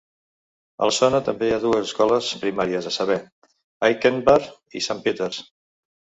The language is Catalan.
A la zona també hi ha dues escoles primàries, a saber, Aitkenbar i Saint Peter"s.